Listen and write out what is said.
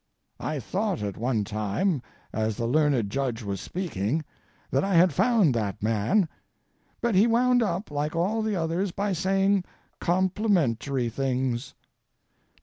I thought at one time, as the learned judge was speaking, that I had found that man; but he wound up, like all the others, by saying complimentary things.